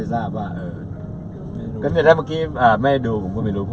ต้องไปถามเขาบอก